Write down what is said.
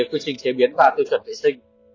quy trình chế biến và tiêu chuẩn vệ sinh